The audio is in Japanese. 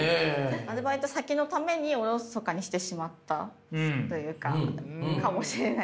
アルバイト先のためにおろそかにしてしまったというかかもしれない。